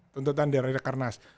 tuntutan di rakernas